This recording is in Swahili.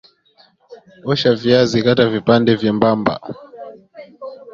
Osha viazi kata vipande vyembamba